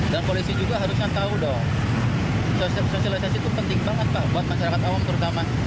dan polisi juga harusnya tahu dong sosialisasi itu penting banget pak buat masyarakat awam terutama